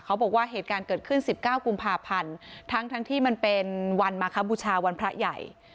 เขาบอกว่าเหตุการณ์เกิดขึ้นสิบเก้ากุมภาพันธ์ทั้งทั้งที่มันเป็นวันมาคบุชาวันพระใหญ่